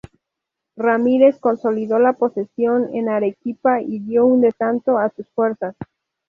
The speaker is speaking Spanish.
Ramírez consolidó la posesión en Arequipa y dio un descanso a sus fuerzas.